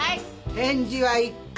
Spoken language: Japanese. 返事は１回！